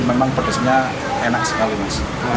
memang buat pengen coba lagi gitu